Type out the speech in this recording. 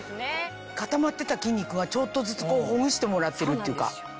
固まってた筋肉がちょっとずつほぐしてもらってるっていうか。